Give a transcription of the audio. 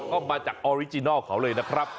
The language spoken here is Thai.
ก็มาจากออริจินัลเขาเลยนะครับ